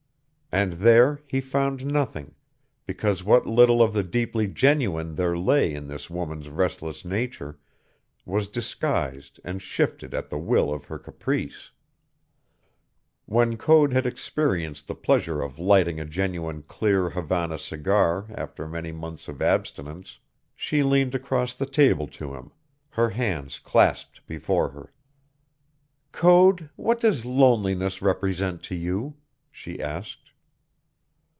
And there he found nothing, because what little of the deeply genuine there lay in this woman's restless nature was disguised and shifted at the will of her caprice. When Code had experienced the pleasure of lighting a genuine clear Havana cigar after many months of abstinence, she leaned across the table to him, her hands clasped before her. "Code, what does loneliness represent to you?" she asked.